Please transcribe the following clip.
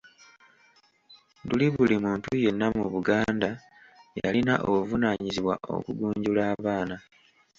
Luli buli muntu yenna mu Buganda yalina obuvunaanyizibwa okugunjula abaana.